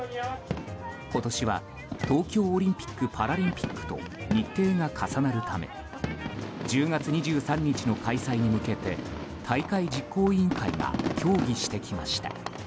今年は東京オリンピック・パラリンピックと日程が重なるため１０月２３日の開催に向けて大会実行委員会が協議してきました。